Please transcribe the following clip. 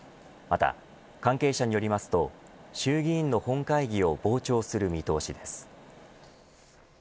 また関係者によりますと衆議院の本会議を傍聴する見通しです。